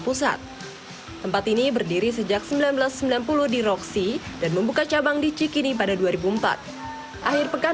pusat tempat ini berdiri sejak seribu sembilan ratus sembilan puluh di roksi dan membuka cabang di cikini pada dua ribu empat akhir pekan